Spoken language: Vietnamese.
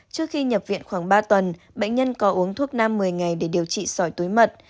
trước khi nhập viện khoảng ba tuần bệnh nhân có uống thuốc nam một mươi ngày để điều trị sỏi túi mật